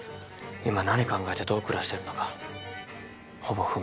今何考えてどう暮らしてるのかほぼ不明